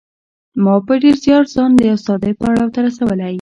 ما په ډېر زیار ځان د استادۍ پړاو ته رسولی